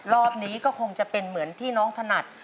รอบนี้ก็คงจะเป็นเหมือนที่น้องถนัด